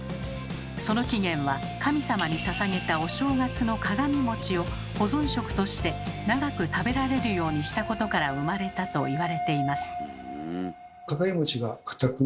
その起源は神様にささげたお正月の鏡餅を保存食として長く食べられるようにしたことから生まれたと言われています。